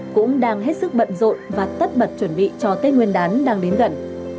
cũng đang hết sức bận rộn và tất bật chuẩn bị cho tết nguyên đán đang đến gần